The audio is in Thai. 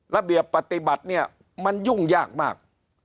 ระเบียบปฏิบัติเนี่ยมันยุ่งยากมาก